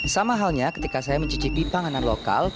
sama halnya ketika saya mencicipi panganan lokal